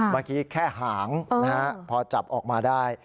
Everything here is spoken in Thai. เมื่อกี้แค่หางพอจับออกมาได้